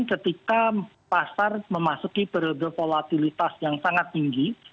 ketika pasar memasuki periode volatilitas yang sangat tinggi